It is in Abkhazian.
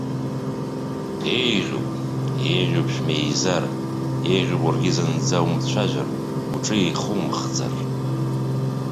Еиӷьуп, еиӷьуп шәмеизар, еиӷьуп уаргьы зынӡа умцәажәар, уҿы еихумхӡар.